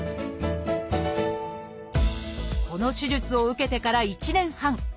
この手術を受けてから１年半。